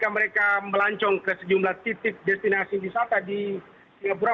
mereka melancong ke sejumlah titik destinasi wisata di singapura